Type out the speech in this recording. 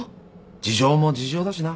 事情も事情だしな。